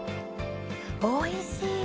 おいしい！